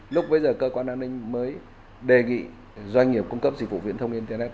lúc bây giờ cơ quan an ninh mới đề nghị doanh nghiệp cung cấp dịch vụ viễn thông internet